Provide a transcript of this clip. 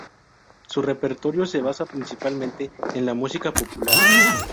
Su repertorio se basa principalmente en la música popular.